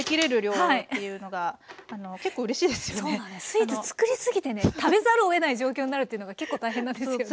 スイーツ作りすぎてね食べざるをえない状況になるというのが結構大変なんですよね。